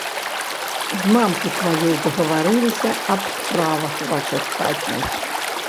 З мамкай тваёй загаварыліся аб справах вашых хатніх.